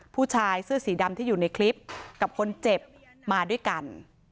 ผู้ชายเสื้อสีดำที่อยู่ในคลิปกับคนเจ็บมาด้วยกัน